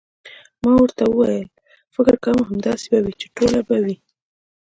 ما ورته وویل: فکر کوم، همداسې به وي، چې ټوله به وي.